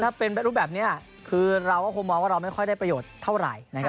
ถ้าเป็นไปรูปแบบนี้คือเราก็คงมองว่าเราไม่ค่อยได้ประโยชน์เท่าไหร่นะครับ